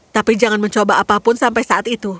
tapi jangan mencoba apapun sampai saat itu